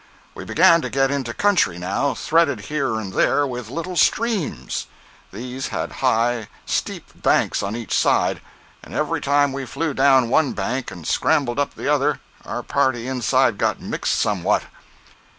We began to get into country, now, threaded here and there with little streams. These had high, steep banks on each side, and every time we flew down one bank and scrambled up the other, our party inside got mixed somewhat.